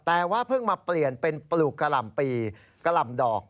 แต่ว่าเพิ่งมาเปลี่ยนเป็นปลูกกะหล่ำปีกะหล่ำดอก